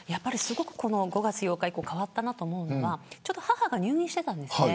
５月８日以降すごく変わったと思うのが母が入院していたんです。